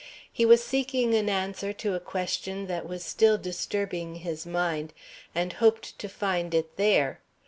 He was seeking an answer to a question that was still disturbing his mind, and hoped to find it there.